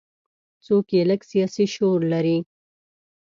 څوک چې لږ سیاسي شعور لري.